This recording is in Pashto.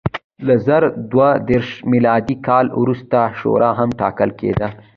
له زر دوه دېرش میلادي کال وروسته شورا هم ټاکل کېده.